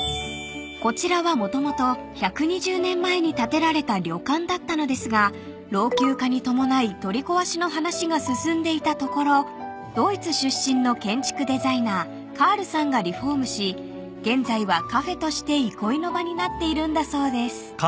［こちらはもともと１２０年前に建てられた旅館だったのですが老朽化に伴い取り壊しの話が進んでいたところドイツ出身の建築デザイナーカールさんがリフォームし現在はカフェとして憩いの場になっているんだそうです］